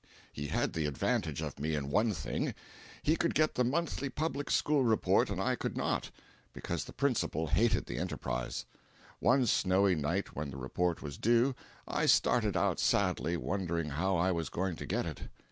He had the advantage of me in one thing; he could get the monthly public school report and I could not, because the principal hated the Enterprise. One snowy night when the report was due, I started out sadly wondering how I was going to get it.